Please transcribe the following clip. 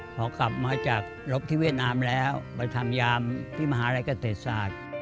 พอกลับมาจากรบที่เวียดนามแล้วไปทำยามที่มหาลัยเกษตรศาสตร์